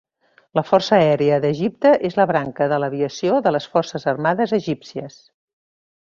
La Força Aèria d'Egipte és la branca de l'Aviació de les Forces Armades Egípcies.